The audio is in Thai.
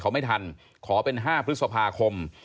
เขาไม่ทันขอเป็น๕พฤษภาคม